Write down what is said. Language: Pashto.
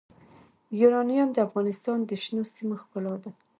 یورانیم د افغانستان د شنو سیمو ښکلا ده.